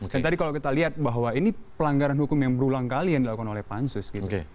dan tadi kalau kita lihat bahwa ini pelanggaran hukum yang berulang kali yang dilakukan oleh pansus gitu